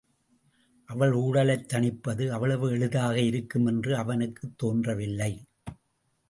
அவள் ஊடலைத் தணிப்பது அவ்வளவு எளிதாக இருக்கும் என்று அவனுக்குத் தோன்றவில்லை.